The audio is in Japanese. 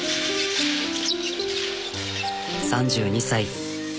３２歳。